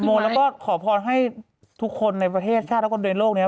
โมแล้วก็ขอพรให้ทุกคนในประเทศชาติและคนโดยโลกนี้